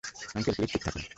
Uncle, please চুপ থাকুন।